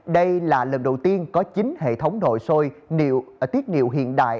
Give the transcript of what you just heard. đây là lần đầu tiên có chín hệ thống nội sôi tiết niệu hiện nay